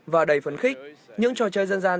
và đầy phấn khích những trò chơi dân gian